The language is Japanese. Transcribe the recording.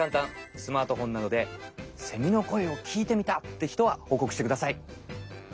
スマートフォンなどでセミのこえをきいてみたってひとはほうこくしてください。